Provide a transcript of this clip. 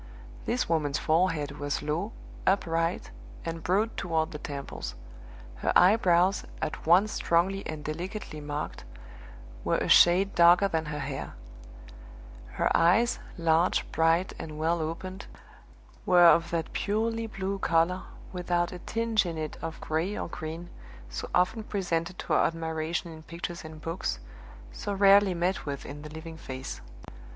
This woman's forehead was low, upright, and broad toward the temples; her eyebrows, at once strongly and delicately marked, were a shade darker than her hair; her eyes, large, bright, and well opened, were of that purely blue color, without a tinge in it of gray or green, so often presented to our admiration in pictures and books, so rarely met with in the living face.